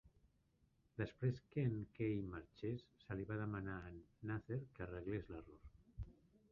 Després que en Kaye marxés, se li va demanar a en Nather que arreglés l'error.